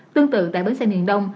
tương tự tại bến xe miền đông